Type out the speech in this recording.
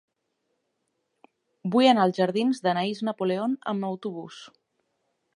Vull anar als jardins d'Anaïs Napoleon amb autobús.